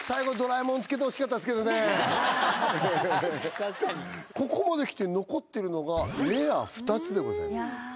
確かにここまできて残ってるのがレア２つでございます